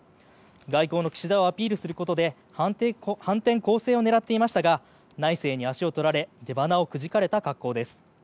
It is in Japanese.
外交の岸田をアピールすることで反転攻勢を狙っていましたが内政に足を取られ出鼻をくじかれた格好です。